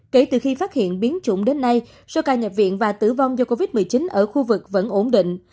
kể từ khi phát hiện biến chủng đến nay số ca nhập viện và tử vong do covid một mươi chín ở khu vực vẫn ổn định